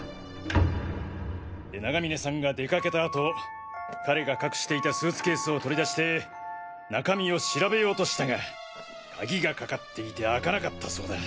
永峰さんが出かけたあと彼が隠していたスーツケースを取り出して中身を調べようとしたが鍵がかかっていて開かなかったそうだ。